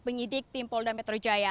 penyidik tim polda metro jaya